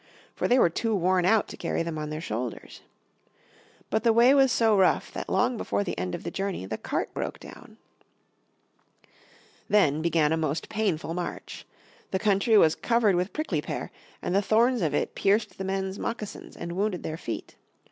For they were too worn out to carry them on their shoulders. But the way was so rough that long before the end of the journey the cart broke down. Then began a most painful march. The country was covered with prickly pear, and the thorns of it pierced the men's moccasins and wounded their feet.